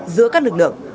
giữa các lực lượng